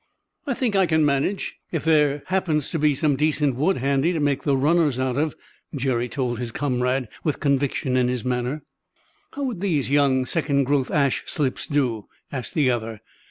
"I think I can manage, if only there happens to be some decent wood handy to make the runners out of," Jerry told his comrade, with conviction in his manner. "How would these young second growth ash slips do?" asked the other.